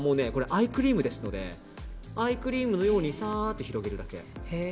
アイクリームですのでアイクリームのようにさっと広げるだけ。